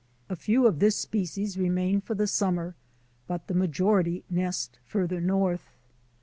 A few of this species remain for the summer, but the majority nest farther north.